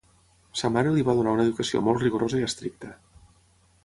Sa mare li va donar una educació molt rigorosa i estricta.